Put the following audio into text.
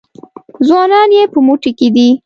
ځوانان یې په موټي کې دي.